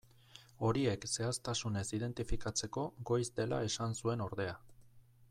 Horiek zehaztasunez identifikatzeko goiz dela esan zuen ordea.